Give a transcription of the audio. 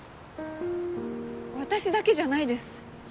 私だけじゃないです